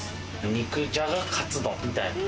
肉じゃがカツ丼みたいな。